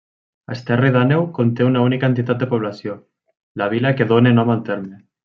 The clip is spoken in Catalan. Esterri d'Àneu conté una única entitat de població: la vila que dóna nom al terme.